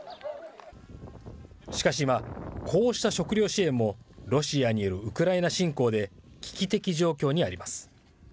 しかし、今、こうした食料支援もロシアによるウクライナ侵攻で、危機的状況にあります。